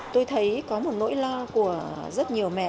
tôi thấy có một nỗi lo của rất nhiều mẹ